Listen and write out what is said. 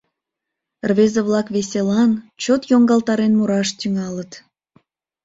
Рвезе-влак веселан, чот йоҥгалтарен мураш тӱҥалыт.